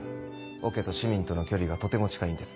オケと市民との距離がとても近いんです。